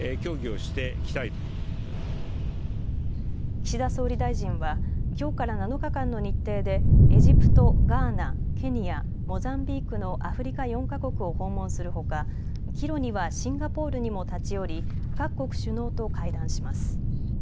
岸田総理大臣はきょうから７日間の日程でエジプト、ガーナ、ケニア、モザンビークのアフリカ４か国を訪問するほか帰路にはシンガポールにも立ち寄り、各国首脳と会談します。